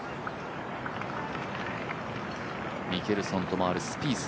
ミケルソンと回るスピース。